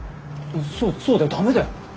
そうそうだよダメだよ。